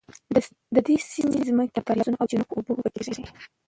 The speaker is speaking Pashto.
د دې سیمې ځمکې د کاریزونو او چینو په اوبو اوبه کیږي.